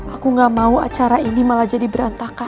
aku gak mau acara ini malah jadi berantakan